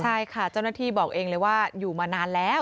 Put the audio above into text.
ใช่ค่ะเจ้าหน้าที่บอกเองเลยว่าอยู่มานานแล้ว